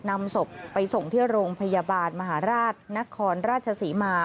นำศพไปส่งที่โรงพยาบาลมหาราชนครราชศรีมา